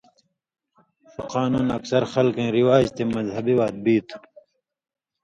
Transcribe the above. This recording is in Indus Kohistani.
ݜُو قانُون اکثر خلکَیں رِواج تے مذہبی وات بی تُھو۔